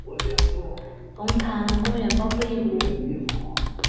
龙潭公园包括一湖。